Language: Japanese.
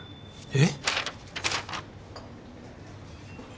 えっ？